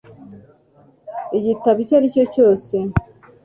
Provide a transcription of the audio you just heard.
gitabo icyo ari cyo cyose